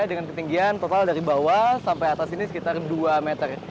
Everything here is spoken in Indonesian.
dengan ketinggian total dari bawah sampai atas ini sekitar dua meter